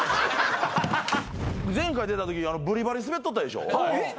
前回出たときブリバリスベっとったでしょ。